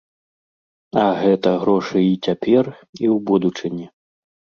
А гэта грошы і цяпер, і ў будучыні.